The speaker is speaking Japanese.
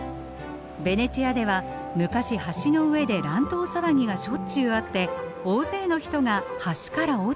ベネチアでは昔橋の上で乱闘騒ぎがしょっちゅうあって大勢の人が橋から落ちたそうです。